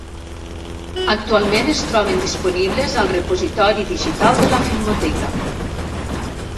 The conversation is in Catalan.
Actualment es troben disponibles al Repositori Digital de la Filmoteca.